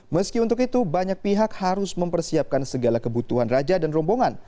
meski untuk itu banyak pihak harus mempersiapkan segala kebutuhan raja dan rombongan